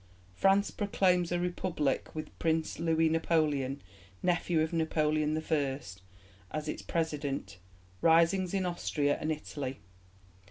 France proclaims a Republic with Prince Louis Napoleon, nephew of Napoleon I, as its President. Risings in Austria and Italy.